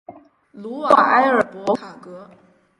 努瓦埃尔博卡格。